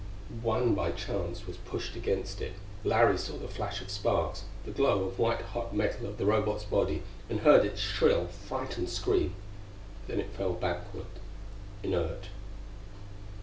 One by chance was pushed against it. Larry saw the flash of sparks, the glow of white hot metal of the Robot's body, and heard its shrill frightened scream; then it fell backward, inert.